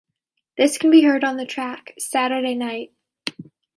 This can be heard on the track "Saturday Night".